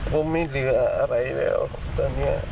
ผมไม่เหลืออะไรแล้วตอนนี้